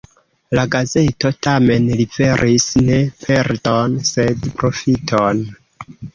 La gazeto tamen liveris ne perdon, sed profiton.